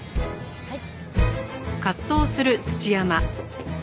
はい。